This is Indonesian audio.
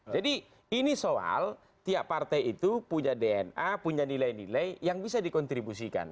jadi ini soal tiap partai itu punya dna punya nilai nilai yang bisa dikontribusikan